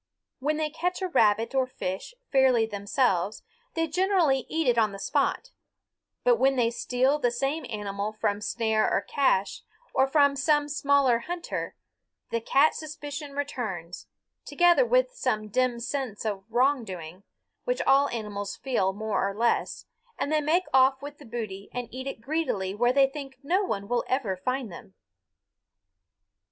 When they catch a rabbit or fish fairly themselves, they generally eat it on the spot; but when they steal the same animal from snare or cache, or from some smaller hunter, the cat suspicion returns together with some dim sense of wrongdoing, which all animals feel more or less and they make off with the booty and eat it greedily where they think no one will ever find them.